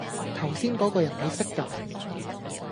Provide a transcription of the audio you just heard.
頭先嗰個人你識㗎？